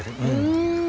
うん。